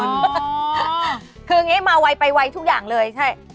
คืออย่างนี้มาไวไปไวทุกอย่างเลยใช่